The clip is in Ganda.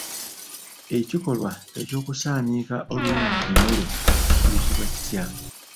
Ekikolwa eky'okusaaniika oluyina ku mmere kiyitibwa kitya?